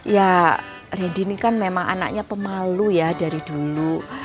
ya ready ini kan memang anaknya pemalu ya dari dulu